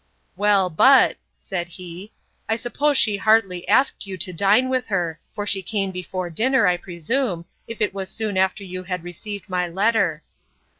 Well, but, said he, I suppose she hardly asked you to dine with her; for she came before dinner, I presume, if it was soon after you had received my letter!